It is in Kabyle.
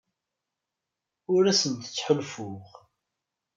Ur asent-ttḥulfuɣ.